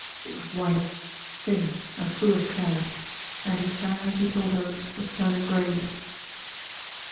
It was white, thin, and full of care; and his hair, he told her, was turning gray.